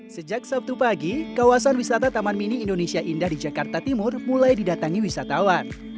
sejak sabtu pagi kawasan wisata taman mini indonesia indah di jakarta timur mulai didatangi wisatawan